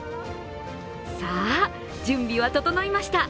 さあ、準備は整いました。